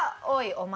「お前」。